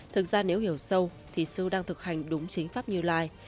thực ra nếu hiểu sâu thì sư đang thực hành đúng chính pháp như lai